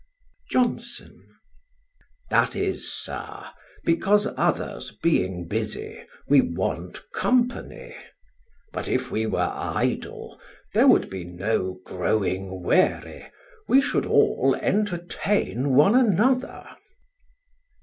JOHNSON: "That is, sir, because others being busy, we want company; but if we were idle, there would be no growing weary; we should all entertain one another."